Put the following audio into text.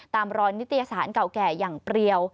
ตามรอยนิตยสารเก่าแก่อย่างเปรียว